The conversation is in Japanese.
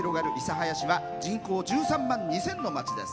諫早市は人口１３万２０００の町です。